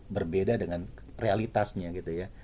berbeda dengan realitasnya gitu ya